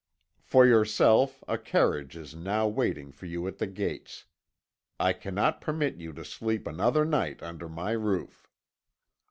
For yourself a carriage is now waiting for you at the gates. I cannot permit you to sleep another night under my roof.'